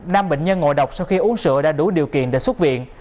nam bệnh nhân ngồi độc sau khi uống sữa đã đủ điều kiện để xuất viện